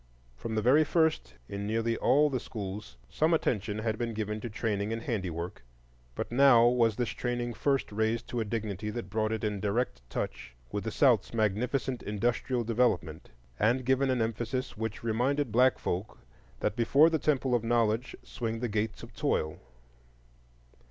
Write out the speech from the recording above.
From the very first in nearly all the schools some attention had been given to training in handiwork, but now was this training first raised to a dignity that brought it in direct touch with the South's magnificent industrial development, and given an emphasis which reminded black folk that before the Temple of Knowledge swing the Gates of Toil.